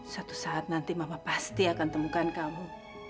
suatu saat nanti mama pasti akan temukan kamu